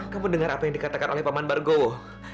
kamu dengar apa yang dikatakan oleh paman margowo